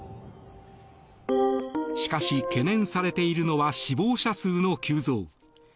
しかし、懸念されているのは死亡者数の急増。